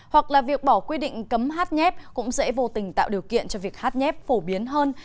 hoặc là việc bỏ quy định cấm hát nhép cũng dễ vô tình tạo điều kiện cho việc hát nhép phổ biến hơn